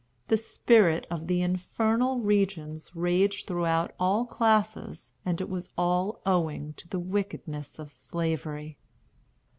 The spirit of the infernal regions raged throughout all classes, and it was all owing to the wickedness of Slavery.